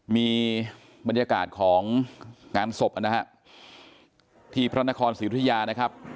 มีบรรยากาศของงานศพอันนั้นฮะที่พระนครศิรุธิยานะครับ